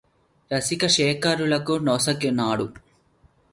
రసిక శేఖరులకు నొసగినాడు